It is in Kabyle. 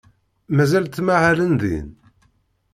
Mazal ttmahalen din?